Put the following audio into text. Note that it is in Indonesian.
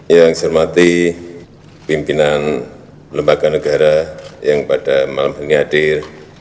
yang saya hormati pimpinan lembaga negara yang pada malam hari ini hadir